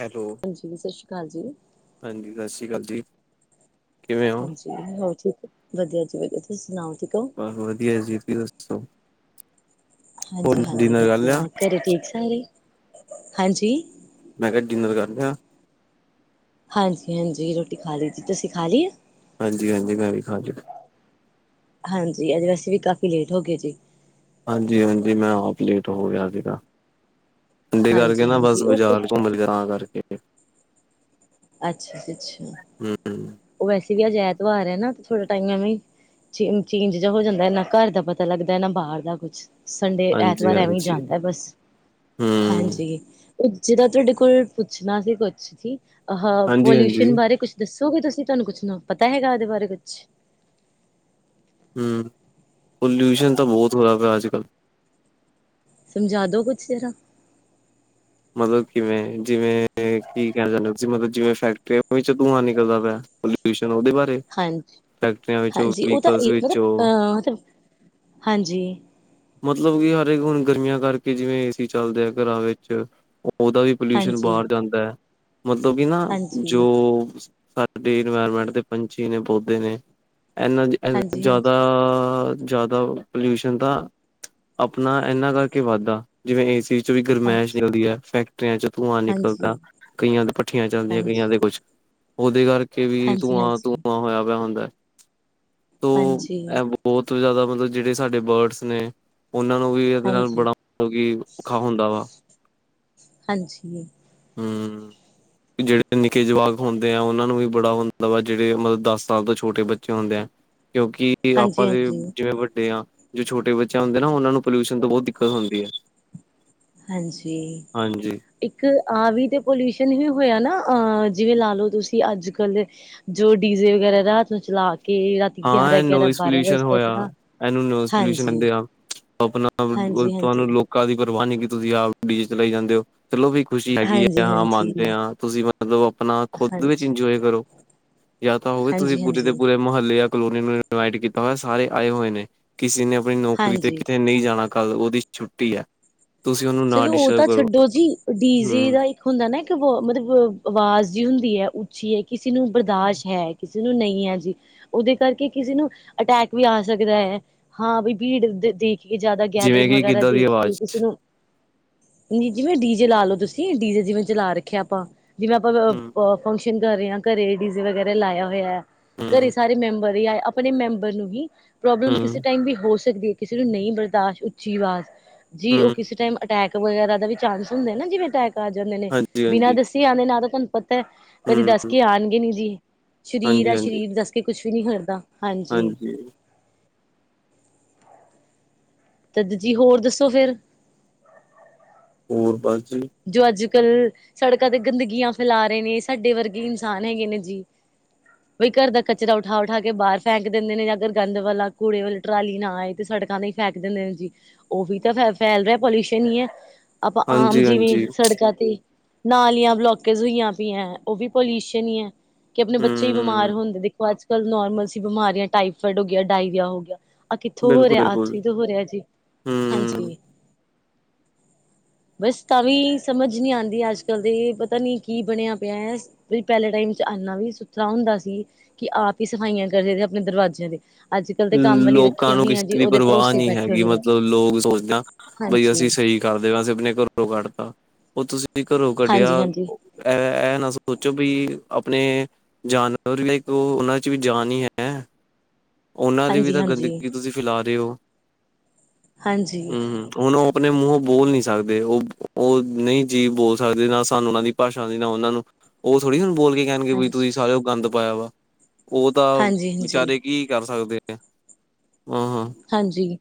Hello ਹਾਂਜੀ, ਸ਼ਸ਼ੀ ਕਾਲ ਜੀ। ਹਾਂਜੀ ਸਾਸ਼੍ਰੀ ਕਾਲ ਜੀ, ਕਿਵੇਂ ਓ। ਹਾਂਜੀ ਹੋਰ ਜੀ, ਵਦੀਆ ਜੀ ਵਦੀਆ ਤੁਸੀ ਸੁਨਾਓ ਠੀਕ ਓ। ਬਾੱਸ ਵਦੀਆ ਜੀ ਤੁਸੀ ਦੱਸੋ। ਹੋਰ ਹਾਂਜੀ-ਹਾਂਜੀ ਡਿਨਰ ਕਰ ਲਿਆ ਵਦੀਆ ਘਰੇ ਠੀਕ ਸਾਰੇ ਹਾਂਜੀ। ਮੈਂ ਕੇਆ ਡਿਨਰ ਕਾੱਰ ਲੇਆ। ਹਾਂਜੀ-ਹਾਂਜੀ ਰੋਟੀ ਖਾਲੀ ਜੀ ਤੁਸੀ ਖਾਲੀ ਏ। ਹਾਂਜੀ-ਹਾਂਜੀ ਮੈਂ ਵੀ ਖਾ ਚੁ ਹਾਂਜੀ ਆੱਜ ਅਸੀ ਵੀ ਕਾਫੀ ਲੇਟ ਹੋਗੇ ਜੀ। ਹਾਂਜੀ-ਹਾਂਜੀ ਮੈਂ ਆਪ ਲੇਟ ਹੋਗੇਆ ਸੀਗਾ। ਸੰਡੇ ਕਾਰਕੇ ਹਾਂਜੀ ਨਾ ਬਸ ਹਾਂਜੀ ਉਹ ਬਾਜ਼ਾਰ ਘੁੰਮ ਲੀ ਦਾ ਤਾਂ ਕਾਰਕੇ ਅੱਛਾ ਜੀ ਅੱਛਾ। ਹੂੰ, ਹੂੰ। ਓ ਵੈਸੇ ਵੀ ਆੱਜ ਐਤਵਾਰ ਐ ਨਾ ਥੋੜਾ ਟਾਈਮ ਐਵੀਂ ਚ ਚੇਂਜ ਜਿਹਾ ਹੋ ਜਾਂਦਾ ਨਾ ਘਰ ਦਾ ਪਤਾ ਲੱਗਦਾ ਨਾ ਬਾਹਰ ਦਾ ਕੁਛ ਸੰਡੇ ਹਾਂਜੀ ਐਤਵਾਰ ਐਵੇਂ ਈ ਹਾਂਜੀ ਜਾਂਦਾ ਬਸ, ਹਮ ਹਾਂਜੀ। ਜਿਦਾ ਤੋਡੇ ਕੋਲ ਪੁੱਛਨਾ ਸੀ ਕੋਛ ਅਸੀ ਅਹ ਹਾਂਜੀ ਹਾਂਜੀ ਪੋਲਊਸ਼ਨ ਬਾਰੇ ਕੁੱਛ ਦੱਸੋਗੇ ਤੁਸੀ ਤਾਨੂੰ ਕੁਛ ਨਾ ਪਤਾ ਹੈਗਾ ਐਦੇ ਬਾਰੇ ਕੁੱਛ ਹੂੰ, ਪੋਲਯੁਸ਼ਨ ਤਾ ਬੋਤ ਹੋਏਆ ਪੇਆ ਆੱਜ-ਕਾੱਲ। ਸਮਜਾ ਦੋ ਕੁੱਛ ਜ਼ਰਾ। ਮਤਲਬ ਕਿਵੇਂ ਜਿਵੇਂ ਕੀ ਕੈਨਾ ਚਾਨੇ ਓ ਤੁਸੀ ਮਤਲਬ ਜਿਵੇਂ ਫੈਕਟਰੀਆਂ ਵਿੱਚ ਧੂੰਆਂ ਨਿਕਲਦਾ ਪੇਆ ਪਲੁ [unintelligible] ਓਦੇ ਬਾਰੇ ਹਾਂਜੀ, ਫੈਕਟਰੀਆਂ ਵਿੱਚੋਂ ਹਾਂਜੀ ਓ ਤਾ ਵਹੀਕਲਸ ਏ ਮਤਲਬ ਵਿੱਚੋਂ ਅ ਮਤਲਬ ਹਾਂਜੀ। ਮਤਲਬ ਕਿ ਹਰੇਕ ਹੁਨ ਗਰਮੀਆਂ ਕਾਰਕੇ ਜਿਵੇਂ ਏਸੀ ਚੱਲਦੇ ਆ ਘਰਾਂ ਵੇਚ ਓਦਾ ਵੀ ਪੋਲਊਸ਼ਨ ਬਾਰ ਹਾਂਜੀ, ਜਾਂਦਾ ਐ ਮਤਲਬ ਕਿ ਨਾ ਜੋ ਹਾਂਜੀ, ਹਾਂਜੀ, ਸਾਡੀ ਇਨਵਾਇਰਮੈਂਟ ਦੇ ਪੰਛੀ ਨੇ ਪੌਦੇ ਨੇ ਇਨਾ ਏਹਨਾ ਦ ਹਾਂਜੀ, ਹਾਂਜੀ, ਜ਼ਿਆਦਾ ਜਾਦਾ ਪੋਲਯੁਸ਼ਨ ਤਾ ਆਪਨਾ ਏਨਾ ਕਾਰਕੇ ਈ ਵਾੱਦਾ ਜਿਵੇਂ ਏਸੀ ਵੀ ਹਾਂਜੀ। ਗਰਮੈਸ਼ ਨਿਕਲਦੀ ਫੈਕ ਚ ਕਈਆਂ ਚ ਧੂੰਆਂ ਨਿਕਲਦਾ, ਹਾਂਜੀ, ਕਈਆਂ ਦੇ ਪੱਠੀਆਂ ਚਲਦੀਆਂ, ਕਈਆਂ ਦੇ ਕੋਛ ਓਦੇ ਕਾਰਕੇ ਵੀ ਹਾਂਜੀ, ਹਾਂਜੀ, ਹਾਂਜੀ, ਧੂੰਆਂ-ਧੂੰਆਂ ਹੋਏਆ ਪੇਆ ਹੁੰਦਾ। ਤੋ ਐ ਬੋਤ ਜਾਦਾ ਮਤਲਬ ਜੇੜੇ ਸਾਡੇ ਬਡਸ ਨੇ, ਓਨਾ ਨੂੰ ਵੀ ਏਦੇ ਨਾਲ ਹਾਂਜੀ, ਬੜਾ ਮਤਲਬ ਕਿ ਓਖਾ ਹੋਂਦਾ ਵਾ। ਹਾਂਜੀ। ਹੂੰ। ਜੇੜੇ ਨਿੱਕੇ ਜਵਾਕ ਹੁੰਦੇ ਆ, ਓਹਨਾ ਨੂੰ ਵੀ ਬੜਾ ਹੁੰਦਾ ਵਾ ਜੇੜੇ ਮਤਲਬ ਦਸ ਸਾਲ ਤੋਂ ਛੋਟੇ ਬੱਚੇ ਹੁੰਦੇ ਐ। ਕਿਉਂਕਿ ਆਪਾਂ ਦੇ ਹਾਂਜੀ। ਜਿਵੇਂ ਵੱਡੇ ਆਂ। ਜੋ ਛੋਟੇ ਬੱਚਿਆਂ ਹੁੰਦੇ ਨਾ, ਓਹਨਾਂ ਨੂੰ ਪੋਲਿਊਸ਼ਨ ਤੋਂ ਬੌਤ ਦਿੱਕਤ ਹੁੰਦੀ ਐ। ਹਾਂਜੀ। ਹਾਂਜੀ ਇੱਕ ਆ ਵੀ ਤੇ ਪੋਲਿਊਸ਼ਨ ਵੀ ਹੋਯਾ ਨਾ ਅ ਜਿਵੇਂ, ਲਾਲੋ ਤੁਸੀਂ ਅੱਜ-ਕੱਲ ਜੋ ਡੀਜ਼ੇ ਵਗੈਰਾ ਰਾਤ ਨੂੰ ਚਲਾ ਕੇ ਰਾ ਹਾਂ, ਐਹ ਨੋਇਸ ਪੋਲਿਊਸ਼ਨ ਹੋਇਆ, ਐਨੂੰ ਨੋਇਸ ਪੋਲਿਊਸ਼ ਹਾਂਜੀ ਕੈੰਦੇ ਆ। ਅਪਣਾ ਹਾਂਜੀ ਹਾਂਜੀ ਤੁਹਾਨੂੰ ਲੋਕਾਂ ਦੀ ਪ੍ਰਵਾ ਨੀ, ਕਿ ਤੁਸੀਂ ਆਪ ਡੀਜੇ ਚਲਾਈ ਜਾਂਦੇ ਔ। ਚਲੋ ਵੀ ਖੁਸ਼ੀ ਹੈਗੀ ਏ, ਹਾਂਜੀ ਹਾਂਜੀ ਹਾਂ ਮੰਨਦੇ ਹਾਂਜੀ ਹਾਂ ਤੁਸੀਂ ਮਤਲਬ ਅਪਣਾ ਖੁਦ ਵਿੱਚ ਹਾਂਜੀ ਇੰਜੋਏ ਕਰੋ। ਯਾ ਤਾਂ ਹੋਵੇ, ਤੁਸੀਂ ਪੂਰੇ ਦੇ ਹਾਂਜੀ ਪੂਰੇ ਮੁਹੱਲੇ ਯਾ ਕਲੋਨੀ ਨੂੰ ਇਨਵਾਈਟ ਕੀਤਾ ਹੋਇਆ, ਸਾਰੇ ਆਏ ਹੋਏ ਨੇ ਕਿਸੇ ਨੇ ਅਪਣੀ ਨੌਕਰੀ ਤੇ ਹਾਂਜੀ ਕਿਤੇ ਨਹੀਂ ਜਾਣਾ। ਕੱਲ ਓਹਦੀ ਛੁੱਟੀ ਐ। ਚਲੋ ਓਹ ਤਾਂ ਛੱਡੋ ਜੀ, ਡੀ ਜੇ ਹਮ ਦਾ ਹੁੰਦਾ ਨਾ ਇੱਕ ਵੋ ਮਤਲਬ ਆਵਾਜ਼ ਜੀ ਹੁੰਦੀ ਐ ਉੱਚੀ ਐ ਕਿਸੀ ਨੂੰ ਬਰਦਾਸ਼ ਹੈ, ਕਿ ਕਿਸੇ ਨੂੰ ਨਹੀਂ ਹੈ, ਜੀ ਓਹਦੇ ਕਰਕੇ ਕਿਸੇ ਨੂੰ ਅਟੈਕ ਵੀ ਆ ਸਕਦਾ ਹੈ। ਹਾਂ, ਬਈ ਭੀੜ ਦੇ ਦੇਖ, ਕੇ ਜੈਦਾ ਜਿਵੇਂ ਗੈਦਰਿੰਗ ਕਿ ਵਗੈਰਾ ਕਿੱਦਾਂ ਦੀ ਦੇਖ ਕੇ ਆਵਾਜ਼ ਕਿਸੇ ਨੂੰ ਨੀ ਜਿਵੇਂ ਡੀਜੇ ਲਾਲੋ ਤੁਸੀਂ ਡੀਜੇ ਜਿਵੇਂ, ਚਲਾ ਰੱਖਿਆ ਆਪਾਂ ਜਿਵੇਂ ਅਪਾਂ ਹਮ ਅ ਫੰਕਸ਼ਨ ਕਰ ਰੇ ਆਂ ਘਰੇ ਏ ਡੀਜ਼ੇ ਵਗੈਰਾ ਲਾਇਆ ਹੋਇਐ, ਹਮ ਘਰੇ ਸਾਰੇ ਮੈਂਬਰ ਹੀਐ ਅਪਾ ਅਪਣੇ ਮੈਂਬਰ ਨੂੰ ਹੀ ਪ੍ਰੋਬਲਮੇ ਹਮ ਕਿਸੇ ਟਾਈਮ ਵੀ ਹੋ ਸਕਦੀ ਹੈ, ਕਿਸੇ ਨੂੰ ਨਹੀਂ ਬਰਦਾਸ਼ਤ ਉਚੀ ਅਵਾਜ਼। ਜੀ ਓਹ ਹਮ ਕਿਸੇ ਟਾਈਮ ਅਟੈਕ ਵਗੈਰਾ ਦਾ ਵੀ ਚਾਂਸ ਹੁੰਦੇ ਨਾ, ਜਿਵੇਂ ਅਟੈਕ ਆ ਜਾਂਦੇ ਨੇ, ਹਾਂਜੀ ਬਿਨਾਂ ਹਾਂਜੀ ਦਸ ਤੀਆਂ ਦੇ ਨਾ ਤੇ ਤੁਹਾਨੂੰ ਪਤੈ ਕਦੀ ਹਮ ਦੱਸ ਕੇ ਆਣਗੇ ਨੀ ਜੀ, ਸਰੀਰ ਹਾਂਜੀ ਆ ਹਾਂਜੀ ਸਰੀਰ ਦੱਸ ਕੁੱਛ ਵੀ ਨੀ ਹਰਦਾ ਹਾਂਜੀ। ਤਦ ਜੀ ਹੋਰ ਦੱਸੋ, ਫੇਰ? ਹੋਰ ਬਸ ਜੀ। ਜੋ ਅੱਜ-ਕੱਲ੍ਹ ਸੜਕਾਂ ਤੇ ਗੰਦਗੀਆਂ ਫੈਲਾ ਰੇ ਨੇ ਸਾਡੇ ਵਰਗੇ ਇਨਸਾਨ ਹੈਗੇ ਨੇ ਜੀ। ਬਈ ਘਰ ਦਾ ਕਚਰਾ ਉਠਾ-ਉਠਾ ਕੇ ਬਾਰ ਫੈਂਕ ਦਿੰਦੇ ਨੇ, ਜਾਂ ਅਗਰ ਗੰਦ ਵਾਲਾ ਕੂੜੇ ਵਾਲੇ ਟਰਾਲੀ ਨਾ ਆਏ ਤੇ ਸੜਕਾਂ ਤੇ ਈ ਫੈਕ ਦਿੰਦੇ ਨੇਂ ਜੀ ਓਹੀ ਤਾਂ ਫੈ-ਫੈਲ ਦੇ ਪੋਲਿਊਸ਼ਨ ਹੀ ਹੈ ਆਪਾਂ ਆਮ ਹਾਂਜੀ ਜਿਵੇਂ ਹਾਂਜੀ ਸੜਕਾਂ ਤੇ ਨਾਲੀਆਂ ਬਲੋਕੇਜ ਹੋਈਐ ਪਈਐ ਓਹ ਵੀ ਪੋਲਿਊਸ਼ਨ ਹੀ ਐ। ਕਿ ਅਪਣੇ ਬੱਚੇ ਈ ਹਮ ਬਿਮਾਰ ਹੁੰਦੇ, ਦੇਖੋ ਅੱਜ-ਕਲ ਨੋਰਮਲ ਸੀ ਬਿਮਾਰੀਆਂ ਟਾਈਫੋਡ ਹੋ ਗਿਆ ਡਾਇਰੀਆ ਹੋ ਗਿਆ। ਆਹ ਕਿੱਥੋਂ ਹੋ ਬਿਲਕੁਲ ਰਿਹਾ, ਆ ਬਿਲਕੁਲ ਕਿਥੋਂ ਹੀ ਤੋਂ ਹੋ ਰਿਹਾ ਜੀ, ਹੂੰ, ਹਾਂਜੀ। ਬਸ ਤਾਂ ਵੀ ਸਮਝ ਨੀ ਆਦੀ ਅੱਜ-ਕੱਲ ਦੇ ਪਤਾ ਨੀ ਕੀ ਬਣਿਆ ਪਿਆ? ਵੀ ਪੈਲੇ ਟਾਈਮ ਚ ਐਨਾ ਵੀ ਸੁਥਰਾ ਹੁੰਦਾ ਸੀ, ਕਿ ਆਪ ਹੀ ਸਫਾਈਆਂ ਕਰਦੇ ਸੀ ਅਪਣੇ ਦਰਵਾਜ਼ਿਆਂ ਦੀ। ਲੋਕਾਂ ਨੂੰ ਕਿਸੇ ਦੀ ਪਰਵਾਹ ਭਰੋਸੇ ਨੀ ਬੈਠੇ ਹੈਗੀ ਹੋਏ ਨੇ ਮਤਲਬ ਲੋਕ ਸੋਚਦੇ ਆ ਬਈ ਅਸੀਂ ਹਾਂਜੀ ਸਹੀ ਕਰਦੇ ਵੈਸੇ ਅਪਣੇ ਘਰੋਂ ਕੱਢਤਾ, ਓਹ ਤੁਸੀਂ ਘਰੋਂ ਕੱਢਿਆ ਹਾਂਜੀ ਹਾਂਜੀ ਓਹ ਐ ਐਹ ਨਾ ਸੋਚੋ ਬਈ ਅਪਣੇ ਜਾਨਵਰ ਵੀ ਓਹ ਓਹਨਾਂ ਚ ਵੀ ਜਾਨ ਹੀ ਹੈ। ਓਨਾਂ ਦੀ ਵੀ ਹਾਂਜੀ ਹਾਂਜੀ ਤਾਂ ਹਾਂਜੀ ਗੰਦਗੀ ਤੁਸੀਂ ਫੈਲਾ ਰੇਔ। ਹਾਂਜੀ ਹੂੰ ਹੂੰ। ਹੁਣ, ਓਹ ਅਪਣੇ ਮੂੰਹੋਂ ਬੋਲ ਨੀ ਸੱਕਦੇ ਓਹ ਓਹ ਨਹੀਂ ਜੀ ਬੋਲ ਸਕਦੇ ਨਾ ਸਾਨੂੰ ਓਹਨਾਂ ਦੀ ਭਾਸ਼ਾ ਆਦੀ ਨਾ ਓਹਨਾਂ ਨੂੰ ਓਹ ਥੋੜ੍ਹੀ ਹੁਣ ਬੋਲ ਕੇ ਕੈੰਣਗੇ ਬਈ ਤੁਸੀਂ ਸਾਲਿਔ ਗੰਦ ਪਾਇਆ ਵਾ ਓਹ ਤਾਂ ਹਾਂਜੀ ਹਾਂਜੀ ਵਿਚਾਰੇ ਕੀ ਕਰ ਸਕਦੇ ਆ। ਹੂੰ ਹੂੰ। ਹਾਂਜੀ,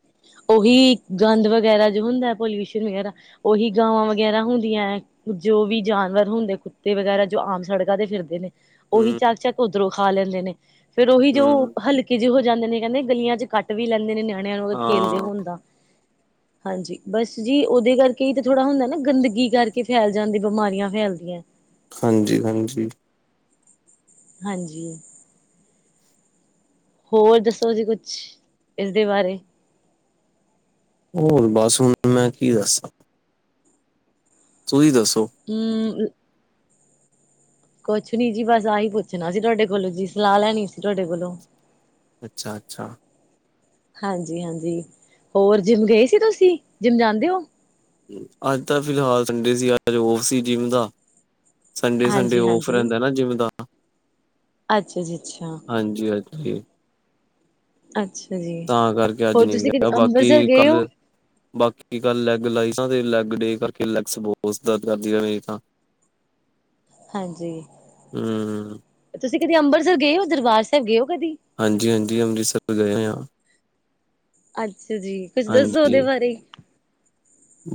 ਓਹੀ ਗੰਦ ਵਗੈਰਾ ਜੋ ਹੁੰਦੈ ਪੋਲਿਊਸ਼ਨ ਵਗੈਰਾ। ਓਹੀ ਗਾਵਾਂ ਵਗੈਰਾ ਹੁੰਦੀਐ। ਜੋ ਵੀ ਜਾਨਵਰ ਹੁੰਦੇ ਕੁੱਤੇ ਵਗੈਰਾ ਜੋ ਆਮ ਸੜਕਾਂ ਤੇ ਫਿਰਦੇ ਨੇ। ਓਹੀ ਹੂੰ ਚੱਕ-ਚੱਕ ਉੱਧਰੋਂ ਖਾ ਲੈਂਦੇ ਨੇ, ਫੇਰ ਔਹੀ ਜੋ ਹੂੰ, ਹਲਕ ਜੇ ਹੋ ਜਾਂਦੇ ਨੇ ਕੈੰਦੇ ਗਲੀਆਂ ਚ ਕੱਟ ਵੀ ਲੈਂਦੇ ਨੇ ਨਿਆਣਿਆਂ ਨੂੰ ਅਗਰ ਖੇਲਦੇ ਹਾਂ। ਹੋਣ ਤਾਂ। [inaudible] ਹਾਂਜੀ ਬਸ ਜੀ, ਓਹਦੇ ਕਰਕੇ ਹੀ ਤਾਂ ਥੋੜ੍ਹਾ ਹੁੰਦਾ ਨਾ ਗੰਦਗੀ ਕਰਕੇ ਫੈਲ ਜਾਂਦੀ ਬਿਮਾਰੀਆਂ ਫੈਲਦੀਐ। ਹਾਂਜੀ ਹਾਂਜੀ। ਹਾਂਜੀ ਹੋਰ ਦੱਸੋ ਜੀ ਕੁਛ ਇਸਦੇ ਬਾਰੇ। ਹੋਰ ਬਸ ਹੁਣ ਮੈਂ ਕੀ ਦੱਸਾਂ। ਤੁਸੀਂ ਦੱਸੋ ਹੂੰ ਕੁਛ ਨੀ ਜੀ ਬਸ ਆਹੀ ਪੁੱਛਣਾ ਸੀ ਤੁਹਾਡੇ ਕੋਲੋਂ ਜੀ ਸਲਾਹ ਲੈਣੀ ਸੀ ਤੁਹਾਡੇ ਕੋਲੋਂ ਅੱਛਾ ਅੱਛਾ, ਹਾਂਜੀ ਹਾਂਜੀ ਹੋਰ ਜਿੰਮ ਗਏ ਸੀ ਤੁਸੀਂ ਜਿੰਮ ਜਾਂਦੇ ਹੋ। ਅੱਜ ਤਾਂ ਫਿਲਹਾਲ ਸੰਡੇ ਸੀ ਅੱਜ ਔਫ ਸੀ ਜਿੰਮ ਦਾ ਸੰਡੇ ਸੰਡੇ ਔਫ ਹਾਂਜੀ-ਹਾਂਜੀ ਰਹਿੰਦਾ ਨਾ ਜਿੰਮ ਦਾ। ਅੱਛਾ ਜੀ ਅੱਛਾ ਹਾਂਜੀ ਹਾਂਜੀ, ਅੱਛਾ ਜੀ, ਤਾਂ ਕਰਕੇ ਅੱਜ ਹੋਰ ਨਹੀਂ ਤੁਸੀਂ ਕਦੇ ਗਿਆ ਅੰਮ੍ਰਿਤਸਰ ਬਾਕੀ ਗਏ ਹੋ? ਕੱਲ ਬਾਕੀ ਕਲ ਲੈਗ ਲਾਈ ਲੈਗ ਡੇ ਕਰਕੇ ਲੈ ਬਹੁਤ ਦਰਦ ਕਰਦੀ ਮੇਰੀ ਤਾਂ। [unintelligible] ਹਾਂਜੀ ਹੂੰ, ਤੁਸੀਂ ਕਦੀ ਅੰਬਰਸਰ ਗਏ ਹੋ ਦਰਬਾਰ ਸਾਹਿਬ ਗਏ ਹੋ ਕਦੀ। ਹਾਂਜੀ ਹਾਂਜੀ ਅੰਮ੍ਰਿਤਸਰ ਗਏ ਹਾਂ। ਅੱਛਾ ਜੀ ਕੁੱਛ ਦੱਸੋ ਹਾਂਜੀ। ਉਹਦੇ ਬਾਰੇ।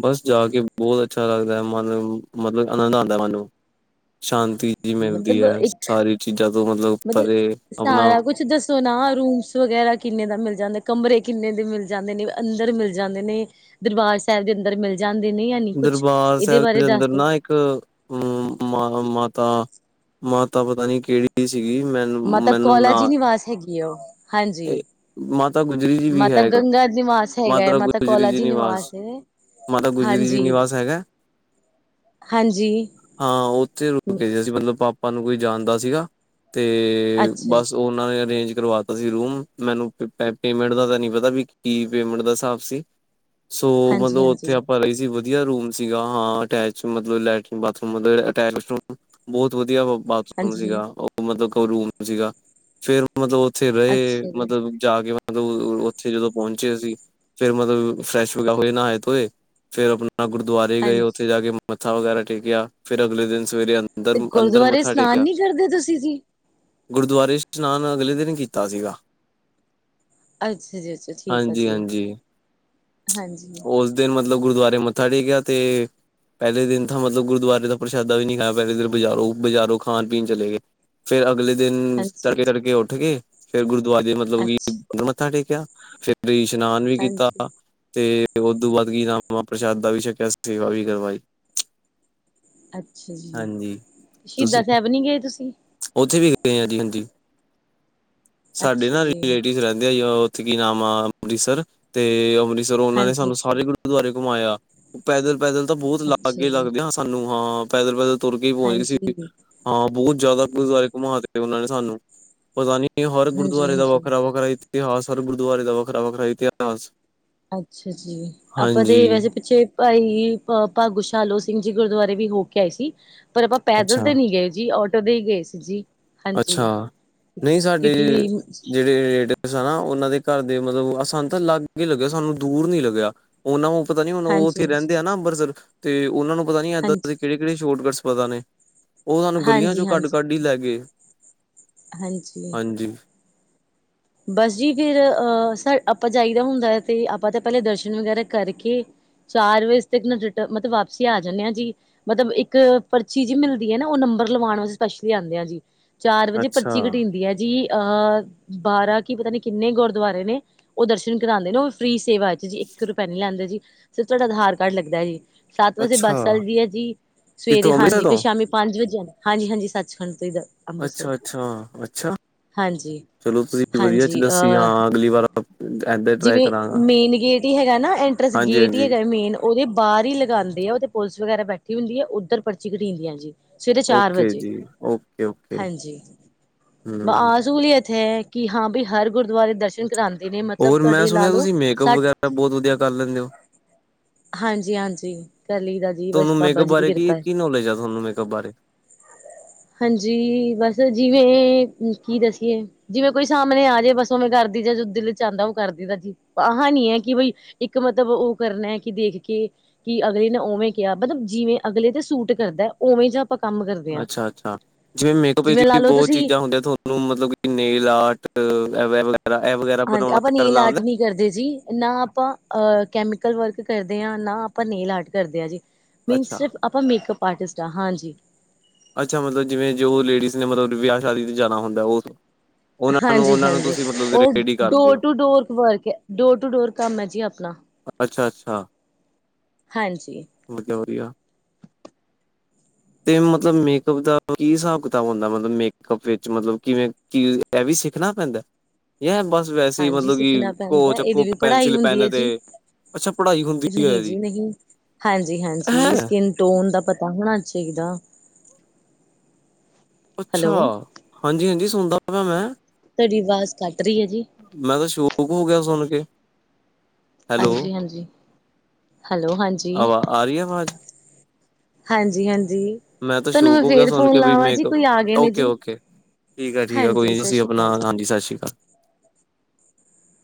ਬਸ ਜਾ ਕੇ ਬਹੁਤ ਅੱਛਾ ਲੱਗਦਾ ਮਨ ਮਤਲਬ ਆਨੰਦ ਆਉਂਦਾ ਮਨ ਨੂੰ ਸ਼ਾਂਤੀ ਮਿਲਦੀ ਮਤਲਬ ਹੈ ਇੱਕ ਸਾਰੀ ਚੀਜ਼ਾਂ ਤੋਂ ਮਤਲਬ ਪਰੇ ਆਪਣਾ ਸੁਣਾ ਰੂਮਸ ਵਗੈਰਾ ਕਿੰਨੇ ਦਾ ਮਿਲ ਜਾਂਦਾ ਕਮਰੇ ਕਿੰਨੇ ਦੇ ਮਿਲ ਜਾਂਦੇ ਨੇ ਅੰਦਰ ਮਿਲ ਜਾਂਦੇ ਨੇ। ਦਰਬਾਰ ਸਾਹਿਬ ਦੇ ਅੰਦਰ ਮਿਲ ਜਾਂਦੇ ਨੇ ਯਾ ਨਹੀਂ ਕੁਛ ਦਰਬਾਰ ਇਹਦੇ ਸਾਹਿਬ ਬਾਰੇ ਦੇ ਦੱਸ ਅੰਦਰ ਦੋ ਨਾ ਇੱਕ ਆ ਮਾਤਾ ਮਾਤਾ ਪਤਾ ਨੀ ਕਿਹੜੀ ਸੀਗੀ ਮੈਨੂੰ ਮਾਤਾ ਮੈਨੂੰ ਕੌਲਾ ਨਾਅ ਜੀ ਨਿਵਾਸ ਹੈਗੀ ਆ ਉਹ ਹਾਂਜੀ ਮ ਮਾਤਾ ਗੁਜਰੀ ਜੀ ਵੀ ਮਾਤਾ ਹੈ ਇੱਕ ਗੰਗਾ ਨਿਵਾਸ ਹੈਗਾ ਹੈ ਮਾਤਾ ਗੁਜਰੀ ਕੌਲਾ ਜੀ ਨਿਵਾਸ ਹੈ ਮਾਤਾ ਗੁਜਰੀ ਜੀ। ਹਾਂਜੀ ਨਿਵਾਸ ਹੈਗਾ। ਹਾਂਜੀ ਹਾਂ ਉੱਥੇ ਰੁਕੇ ਸੀਗੇ ਮਤਲਬ ਪਾਪਾ ਨੂੰ ਕੋਈ ਜਾਣਦਾ ਸੀਗਾ ਤੇ ਅੱਛਾ ਜੀ ਬਸ ਉਹ ਨੇ ਅਰੇਂਜ ਕਰਵਾਤਾ ਸੀ ਰੂਮ। ਮੈਨੂੰ ਪੇਮੈਂਟ ਦਾ ਤਾਂ ਨੀ ਪਤਾ ਵੀ ਕੀ ਪੇਮੈਂਟ ਦਾ ਹਿਸਾਬ ਸੀ। ਸੋ ਹਾਂਜੀ ਮਤਲਬ ਉੱਥੇ ਹਾਂਜੀ ਆਪਾਂ ਰਹੀ ਸੀ। ਵਧੀਆ ਰੂਮ ਸੀਗਾ ਹਾਂ ਅਟੈਚ ਮਤਲਬ ਲੈਟਰੀਨ ਬਾਥਰੂਮ ਬਹੁਤ ਵਧੀਆ ਬਾ ੂਮ ਹਾਂਜੀ ਸੀਗਾ ਉਹ ਮਤਲਬ ਰੂਮ ਸੀਗਾ ਫੇਰ ਮਤਲਬ ਉੱਥੇ ਰਏ ਅੱਛਾ ਜੀ ਮਤਲਬ ਜਾ ਕੇ ਮਤਲਬ ਉੱਥੇ ਜਦੋਂ ਪਹੁੰਚੇ ਅਸੀ। ਫੇਰ ਮਤਲਬ ਫਰੈਸ਼ ਵਗਾ ਹੋਏ ਨਹਾਏ ਤੋਂਏ ਫੇਰ ਆਪਣਾ ਨਾ ਗੁਰਦੁਆਰੇ ਗਏ ਹਾਂਜੀ ਓਥੇ ਜਾ ਕੇ ਮੱਥਾ ਵਗੈਰਾ ਟੇਕਿਆ ਫਿਰ ਅਗਲੇ ਦਿਨ ਸਵੇਰੇ ਅੰਦਰ, ਤੇ ਅੰਦਰ ਗੁਰਦੁਆਰੇ ਮੱਥਾ ਇਸ਼ਨਾਨ ਟੇਕਿਆ। ਨਹੀਂ ਕਰਦੇ ਤੁਸੀਂ ਜੀ ਗੁਰਦੁਆਰੇ ਇਸ਼ਨਾਨ ਅਗਲੇ ਦਿਨ ਕੀਤਾ ਸੀਗਾ। ਅੱਛਾ ਜੀ, ਅੱਛਾ, ਠੀਕ ਆ, ਹਾਂਜੀ ਜੀ ਹਾਂਜੀ ਹਾਂਜੀ। ਉਸ ਦਿਨ ਮਤਲਬ ਗੁਰਦੁਆਰੇ ਮੱਥਾ ਟੇਕਿਆ ਤੇ ਪਹਿਲੇ ਦਿਨ ਤਾਂ ਮਤਲਬ ਗੁਰਦੁਆਰੇ ਦਾ ਪ੍ਰਸ਼ਾਦਾ ਵੀ ਨਹੀਂ ਖਾਇਆ। ਪਹਿਲੇ ਦਿਨ ਬਾਜ਼ਾਰੋ, ਬਾਜ਼ਾਰੋ ਖਾਣ ਪੀਣ ਚਲੇ ਗਏ। ਫੇਰ ਅਗਲੇ ਦਿਨ ਹਾਂਜੀ ਤੜਕੇ, ਤੜਕੇ ਉੱਠ ਕੇ ਫੇਰ ਗੁਰਦੁਆਰੇ ਮਤਲਬ ਕਿ ਅੱਛਾ ਮੱਥਾ ਟੇਕਿਆ। ਫੇਰ ਇਸ਼ਨਾਨ ਵੀ ਕੀਤਾ। ਹਾਂਜੀ ਤੇ ਦੋਂ ਬਾਅਦ ਕੀ ਰਾਮਾਂ ਪ੍ਰਸ਼ਾਦ ਦਾ ਵੀ ਛਕਿਆ ਸੇਵਾ ਵੀ ਕਰਵਾਈ। ਅੱਛਾ ਜੀ, ਹਾਂਜੀ ਤੁਸੀਂ ਸ਼ਹੀਦਾਂ ਸਾਹਿਬ ਨਹੀਂ ਗਏ ਤੁਸੀਂ? ਉੱਥੇ ਵੀ ਗਏ ਆ ਜੀ। ਹਾਂਜੀ, ਸਾਡੇ ਅੱਛਾ ਨਾ ਜੀ ਰਿਲੇਟਿਵ ਰਹਿੰਦੇ ਆ ਜੀ। ਕੀ ਨਾਮ ਆ ਅੰਮ੍ਰਿਤਸਰ ਤੇ ਅੰਮ੍ਰਿਤਸਰ ਉਹਨਾਂ ਨੇ ਹਾਂਜੀ ਸਾਨੂੰ ਸਾਰੇ ਹਾਂਜੀ ੁਰਦੁਆਰੇ ਘੁੰਮਾਇਆ ਪੈਦਲ, ਪੈਦਲ ਤਾਂ ਬਹੁਤ ਅੱਛਾ ਲਾਗੇ ਜੀ ਲੱਗਦੇ ਹਾਂ ਸਾਨੂੰ ਹਾਂ ਪੈਦਲ, ਪੈਦਲ। ਤੁਰ ਕੇ ਹੀ ਪਹੁੰਚ ਗਈ ਸੀ। ਹਾਂਜੀ ਹਾਂ, ਬਹੁਤ ਜ਼ਿਆਦਾ ਗੁਦੁਆਰੇ ਘੁੰਮਾ ਤੇ ਉਹਨਾਂ ਨੇ ਸਾਨੂੰ ਪਤਾ ਨੀ। ਹਰ ਹਾਂਜੀ ਗੁਰਦੁਆਰੇ ਦਾ ਹਾਂਜੀ ਵੱਖਰਾ, ਵੱਖਰਾ ਇਤਿਹਾਸ ਹਰ, ਗੁਰਦੁਆਰੇ ਦਾ ਵੱਖਰਾ, ਵੱਖਰਾ ਇਤਿਹਾਸ ਅੱਛਾ ਜੀ, ਆਪਾਂ ਤੇ ਹਾਂਜੀ ਵੈਸੇ ਪਿੱਛੇ ਭਾਈ ਭਾਗੁਸ਼ਾਲੋ ਸਿੰਘ ਜੀ ਗੁਰਦੁਆਰੇ ਵੀ ਹੋ ਕੇ ਆਏ ਸੀ। ਪਰ ਆਪਾਂ ਪੈਦਲ ਅੱਛਾ ਤੇ ਨਈ ਗਏ ਜੀ। ਆਟੋ ਤੇ ਹੀ ਗਏ ਸੀ ਜੀ ਹਾਂਜੀ। ਅੱਛਾ, ਨਹੀਂ ਸਾਡੇ ਕਿਉਂਕਿ ਜਿਹੜੇ ਰੇ ਨਾ ਉਹਨਾਂ ਦੇ ਘਰ ਦੇ ਮਤਲਬ ਸਾਨੂੰ ਤਾਂ ਲਾਗੇ ਹੀ ਲੱਗਿਆ ਸਾਨੂੰ ਦੂਰ ਨੀ ਲੱਗਿਆ ਉਹਨਾਂ ਨੂੰ ਪਤਾ ਨੀ ਹੁਣ ਉਹ ਹਾਂਜੀ, ਉੱਥੇ ਰਹਿੰਦੇ ਆ ਨਾ ਅੰਮ੍ਰਿਤਸਰ ਤੇ ਉਹਨਾਂ ਨੂੰ ਪਤਾ ਨੀ ਏਦਾਂ ਹਾਂਜੀ, ਕਿਹੜੇ-ਕਿਹੜੇ ਸ਼ੋਰਟਕੱਟਸ ਪਤਾ ਨੇ ਉਹ ਸਾਨੂੰ ਗਲੀਆਂ ਹਾਂਜੀ, ਚੋਂ ਹਾਂਜੀ, ਕੱਢ-ਕੱਢ ਹੀ ਲੈ ਗ ਹਾਂਜੀ ਹਾਂਜੀ ਬਸ ਜੀ ਫਿਰ ਅਹ ਆਪਾਂ ਜਾਈਦਾ ਹੁੰਦਾ ਤੇ ਆਪਾਂ ਤਾਂ ਪਹਿਲੇ ਦਰਸ਼ਨ ਵਗੈਰਾ ਕਰਕੇ ਚਾਰ ਵਜੇ ਤ ਰਿ ਮਤਲਬ ਵਾਪਸੀ ਆ ਜਾਂਦੇ ਹਾਂ ਜੀ ਮਤਲਬ ਇੱਕ ਪਰਚੀ ਜੀ ਮਿਲਦੀ ਐ ਨਾ। ਉਹ ਨੰਬਰ ਲਵਾਉਣ ਵਾਸਤੇ ਸਪੇਛਲੀ ਆਉਂਦੇ ਆ ਜੀ ਚਾਰ ਵਜੇ ਅੱਛਾ ਪਰਚੀ ਕਟੀਂ ਦੀ ਹੈ ਜੀ ਅਹ ਬਾਰਾ ਕੀ'ਪਤਾ ਨੀ ਕਿੰਨੇ ਗੁਰਦੁਆਰੇ ਨੇ? ਉਹ ਦਰਸ਼ਨ ਕਰਾਉਂਦੇ ਨੇ ਫੀ' ਸੇਵਾ ਚ' ਜੀ ਇੱਕ ਰੁਪਇਆ ਨੀ ਲੈਂਦੇ ਜੀ ਸਿਰ ਤੁਹਾਡਾ ਆਧਾਰ ਕਾਰਡ ਲੱਗਦਾ ਜੀ ਸੱਤ ਵਜੇ ਅੱਛਾ ਬੱਸ ਚੱਲਦੀ ਹੈ ਜੀ। ਸਵੇਰੇ ਕਿੱਥੋਂ ਅੰਮ੍ਰਿਤਸਰ ਹਾਂਜੀ ਫ' ਤੋਂ ਸ਼ਾਮੀ ਪੰਜ ਵਜੇ ਜਾਂਦਾ ਹਾਂਜੀ, ਹਾਂਜੀ ਸੱਚਖੰਡ ਤੋਂ ਅੰਮ੍ਰਿਤਸਰ ਅੱਛਾ-ਅੱਛਾ-ਅੱਛਾ ਹਾਂਜੀ ਚਲੋ, ਤੁਸੀਂ ਵਧੀਆ ਹਾਂਜੀ ਚ'ਦੱਸੀ ਅਹ ਹਾਂ ਅਗਲੀ ਵਾਰ [inaudible] ਜਿਵੇਂ ਕਰਾਂਗਾ ਮੇਨ ਗੇਟ ਹੀ ਹੈਗਾ ਨਾ, ਐਂਟਰੈਂਸ ਹਾਂਜੀ ਗੇਟ ਹੀ ਹਾਂਜੀ ਹੈਗਾ ਮੇਨ ਉਹਦੇ ਬਾਹਰ ਹੀ ਲਗਾਦੇ ਆ। ਉਹਦੇ ਪੁਲਿਸ ਵਗੈਰਾ ਬੈਠੀ ਹੁੰਦੀ ਆ ਉੱਧਰ ਪਰਚੀ ਕੱਟੀ ਜਾਂਦੀ ਆ ਜੀ ਸਵੇਰੇ ਚਾਰ ਓਕੇ ਵਜੇ ਜੀ ਓਕੇ ਓਕੇ ਹਾਂਜੀ ਹਮ ਬਸਹੂਲੀਅਤ ਐ ਕਿ' ਹਾਂ ਬਈ ਹਰ ਗੁਰਦੁਆਰੇ ਦਰਸ਼ਨ ਕਰਾਉਂਦੇ ਨੇ ਮਲਬ ਹੋਰ ਮੈਂ ਸੁਣਿਆ ਤੁਸੀਂ ਮੇਕਅਪ ਵਗੈਰਾ ਬਹੁਤ ਵਧੀਆ ਕਰ ਲੈਂਦੇ ਓ। ਹਾਂਜੀ ਹਾਂਜੀ ਕਰ ਲਈ ਦਾ ਜੀ ਬਸ ਤੁਹਾਨੂੰ ਬਾਬਾ ਮੇਕਅਪ ਜੀ ਦੀ ਬਾਰੇ ਕਿਰਪਾ ਹੈ ਕੀ-ਕੀ ਨੌਲੇਜ ਆ ਤੁਹਾਨੂੰ ਮੇਕਅਪ ਬਾਰੇ? [unintelligible] ਹਾਂਜੀ' ਬਸ ਜਿਵੇਂ ਕੀ ਦੱਸੀਏ ਜਿਵੇਂ ਕੋਈ ਸਾਹਮਣੇ ਆ ਜਾਵੇ ਬਸ ਓਵੇਂ ਕਰਦੀ ਜਾਂ ਦੁੱਧ ਚ ਆਦਾ ਉਹ ਕਰ ਦਦਾ ਜੀ ਆਹ ਨੀ ਹੈ ਕਿ ਬਈ ਇੱਕ ਮਤਲਬ ਉਹ ਕਰਨਾ ਹੈ ਕਿ ਦੇਖ ਕੇ ਕਿ ਅਗਲੇ ਨੇ ਉਵੇ ਕਿਹਾ ਮਤਲਬ ਜਿਵੇ ਅਗਲੇ ਤੇ ਸੂਟ ਕਰਦਾ ਉਵੇ ਜਾ ਪਾ ਕੰਮ ਕਰਦੇ ਹਾਂ। ਅੱਛਾ-ਅੱਛਾ ਜਿਵੇਂ ਮੇਕਅਪ ਵਿੱਚ ਲਾ ਵੀ ਲਓ ਬਹੁਤ ਤੁਸੀਂ ਚੀਜ਼ਾਂ ਹੁੰਦੀਆਂ ਤੁਹਾਨੂੰ ਮਤਲਬ ਕਿ ਨੇਲ ਆਰਟ [unintelligible] ਇਹ ਵਗੈਰਾ ਹਾਂਜੀ ਬਣਾਣਾ ਆਪਾਂ ਨੇਲ ਕਰਨਾ ਆਰਟ ਆਂਦਾ। ਨਹੀਂ ਕਰਦੇ ਜੀ ਨਾ ਆਪਾ ਅ ਕੈਮੀਕਲ ਵਰਕ ਕਰਦੇ ਹਾਂ ਨਾ ਆਪਾ ਨੇਲ ਆਰਟ ਕਰਦੇ ਆ ਜੀ। ਮੀਨ ਅੱਛਾ ਸਿਰਫ ਆਪਾ ਮੇਕਅਪ ਆਰਟਿਸਟ ਹਾ ਹਾਂਜੀ। ਅੱਛਾ ਮਤਲਬ ਜਿਵੇਂ ਜੋ ਲੇਡੀਜ਼ ਨੇ ਮਤਲਬ ਵਿਆਹ ਸ਼ਾਦੀ ਜਾਣਾ ਹੁੰਦਾ ਉਹ ਉਹਨਾਂ ਨੂੰ ਉਹਨਾਂ ਨੂੰ ਹਾਂਜੀ-ਹਾਂਜੀ ਤੁਸੀਂ ਮਤਲਬ ਉਹ ਰੇਡੀ ਕਰਦੇ ਡੋਰ ਹੋ ਟੂ ਡੋਰ ਵਰਕ ਹੈ, ਡੋਰ ਟੂ ਡੋਰ ਕੰਮ ਹੈ ਜੀ ਆਪਨਾ। ਅੱਛਾ-ਅੱਛਾ। ਹਾਂਜੀ ਫੇਰ ਤੇ ਵਧੀਆ। ਤੇ ਮਤਲਬ ਮੇਕਅੱਪ ਦਾ ਕੀ ਹਿਸਾਬ ਕਿਤਾਬ ਹੁੰਦਾ ਮਤਲਬ ਮੇਕਅੱਪ ਵਿੱਚ ਮਤਲਬ ਕਿਵੇਂ ਕੀ ਇਹ ਵੀ ਸਿੱਖਣਾ ਪੈਂਦਾ ਯਾ ਏਹ ਬਸ ਵੈਸੇ ਹੀ ਹਾਂਜੀ ਮਤਲਬ ਕਿ ਸਿੱਖਣਾ ਉਹ ਪੈਂਦਾ ਚੱਕੋ ਇਹਦੀ ਵੀ ਪੜ੍ਹਾਈ ਪੈਨਸਿਲ ਹੁੰਦੀ ਪੈਨ ਹੈ ਤੇ ਜੀ। ਅੱਛਾ ਪੜ੍ਹਾਈ ਹੁੰਦੀ ਹੈ ਨਹੀਂ ਇਹਦੀ, ਜੀ ਨਹੀਂ, ਹਾਂਜੀ ਹਾਂਜੀ ਹੈਂ। ਸਕਿਨ ਟੋਨ ਦਾ ਪਤਾ ਹੋਣਾ ਚਾਹੀਦਾ। ਅੱਛਾ ਹੈਲੋ, ਹਾਂਜੀ-ਹਾਂਜੀ ਸੁਣਦਾ ਪ ਮੈਂ ਤੁਹਾਡੀ ਆਵਾਜ਼ ਕੱਟ ਰਹੀ ਹੈ ਜੀ। ਮੈਂ ਤਾਂ ਸ਼ੌਕ ਹੋ ਗਿਆ ਸੁਣ ਕੇ। ਹੈਲੋ ਹਾਂਜੀ-ਹਾਂਜੀ ਹੈਲੋ ਹਾਂਜੀ। ਆਵਾ ਆ ਰਹੀ ਹੈ ਆਵਾਜ਼ ਹਾਂਜੀ-ਹਾਂਜੀ। ਮੈਂ ਤੇ ਸ਼ੋਕ ਹੋ ਗਿਆ ਸੁਣ ਕੇ ਵੀ ਆ ਮੇਕਅਪ ਗਏ ਨੇ ਜੀ, ਓਕੇ-ਓਕੇ। ਠੀਕ ਹੈ-ਠੀਕ ਹੈ ਹਾਂਜੀ ਕੋਈ ਸਤਿ ਤੁਸੀ ਸ਼੍ਰੀ ਅਪਨਾ ਅਕਾਲ ਜੀ। ਹਾਂਜੀ ਸਸ ਸ੍ਰੀ ਕਾਲ।